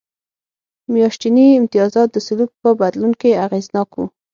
میاشتني امتیازات د سلوک په بدلون کې اغېزناک و.